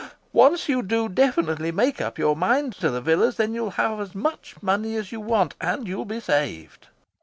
Once you do definitely make up your minds to the villas, then you'll have as much money as you want and you'll be saved.